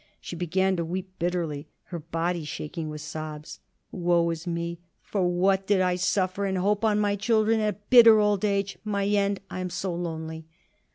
She began to weep bitterly, her body shaking with sobs. "Woe is me! For what did I suffer and hope on my children? A bitter old age my end. I'm so lonely!"